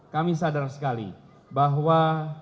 kami sadar sekali bahwa